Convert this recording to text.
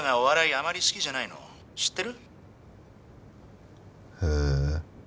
あまり好きじゃないの知ってる？へ。